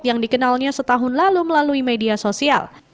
yang dikenalnya setahun lalu melalui media sosial